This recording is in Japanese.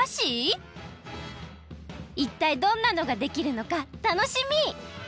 いったいどんなのができるのか楽しみ！